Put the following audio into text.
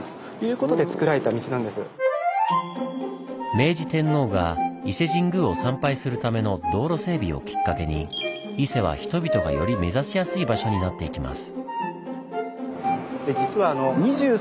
明治天皇が伊勢神宮を参拝するための道路整備をきっかけに伊勢は人々がより目指しやすい場所になっていきます。